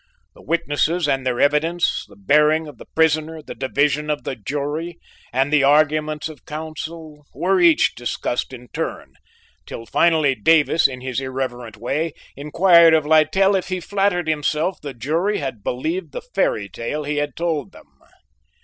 The witnesses and their evidence; the bearing of the prisoner; the division of the jury, and the arguments of counsel, were each discussed in turn; till finally Davis, in his irreverent way, inquired of Littell if he flattered himself the jury had believed the fairy tale he had told them.